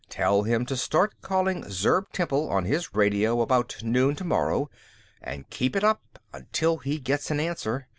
Tell him to start calling Zurb temple on his radio about noon tomorrow, and keep it up till he gets an answer.